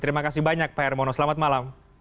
terima kasih banyak pak hermono selamat malam